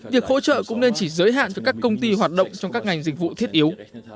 việc hỗ trợ cũng nên chỉ giới hạn cho các công ty hoạt động trong các ngành dịch vụ thiết yếu